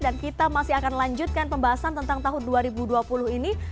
dan kita masih akan lanjutkan pembahasan tentang tahun dua ribu dua puluh ini